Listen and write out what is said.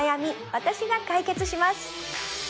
私が解決します